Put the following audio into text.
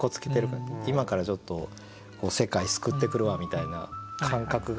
今からちょっと世界救ってくるわみたいな感覚が。